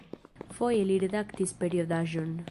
Foje li redaktis periodaĵon.